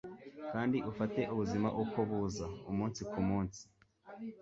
kandi ufate ubuzima uko buza, umunsi kumunsi